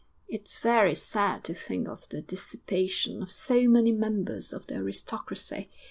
'It's very sad to think of the dissipation of so many members of the aristocracy.